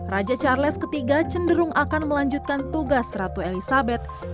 raja charles iii cenderung akan melanjutkan tugas ratu elizabeth